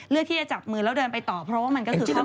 เลือกที่จะจับมือแล้วเดินไปต่อเพราะว่ามันก็คือครอบครัว